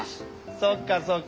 そっかそっか。